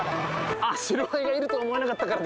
あっ、白バイがいると思わなかったから？